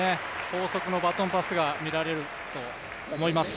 高速のバトンパスが見られると思います。